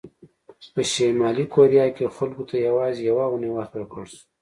په شلي کوریا کې خلکو ته یوازې یوه اونۍ وخت ورکړل شو.